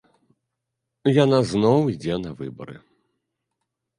Яна зноў ідзе на выбары.